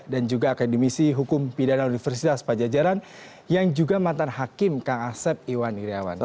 dan juga akademisi hukum pidana universitas pajajaran yang juga mantan hakim kang asep iwan iryawan